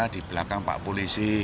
di belakang pak polisi